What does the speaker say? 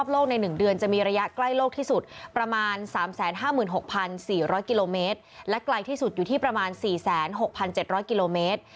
และไกลที่สุดอยู่ที่ประมาณ๔๐๖๗๐๐กิโลเมตร